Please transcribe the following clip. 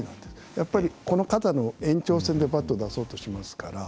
やっぱりこの肩の延長線でバットを出そうとしますから。